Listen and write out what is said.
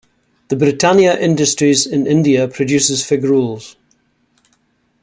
The Britannia Industries in India produces Fig Rolls.